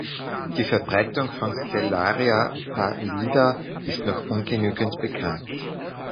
Die Verbreitung von "Stellaria pallida" ist noch ungenügend bekannt.